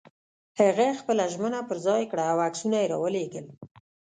هغه خپله ژمنه پر ځای کړه او عکسونه یې را ولېږل.